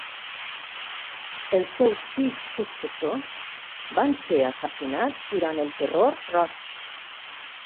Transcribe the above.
Els seus sis successors van ser assassinats durant el Terror Roig.